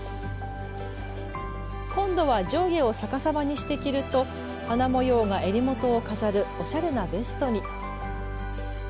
今度は上下を逆さまにして着ると花模様がえりもとを飾るおしゃれなベストに。